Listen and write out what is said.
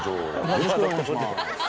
よろしくお願いします。